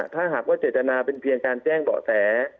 ถ้าหากว่าเจตนาเป็นเพียงการแจ้งเบาะแส